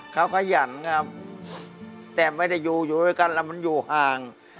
เขาขยันครับแต่ไม่ได้อยู่อยู่ด้วยกันแล้วมันอยู่ห่าง